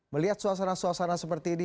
melihat suasana suasana seperti ini